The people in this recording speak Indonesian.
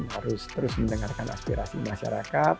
harus terus mendengarkan aspirasi masyarakat